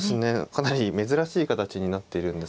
かなり珍しい形になっているんですけど。